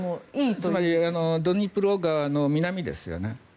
つまりドニプロ川の南ですよね。